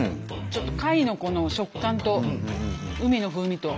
ちょっと貝のこの食感と海の風味と。